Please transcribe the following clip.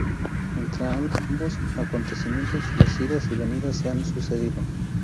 Entre ambos acontecimientos, las idas y venidas se han sucedido.